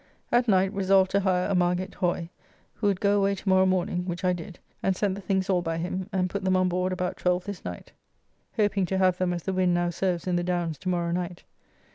At night resolved to hire a Margate Hoy, who would go away to morrow morning, which I did, and sent the things all by him, and put them on board about 12 this night, hoping to have them as the wind now serves in the Downs to morrow night.